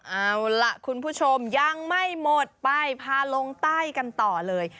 เอาล่ะคุณผู้ชมยังไม่หมดไปพาลงใต้กันต่อเลย